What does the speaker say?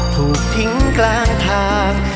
ถูกทิ้งกลางทาง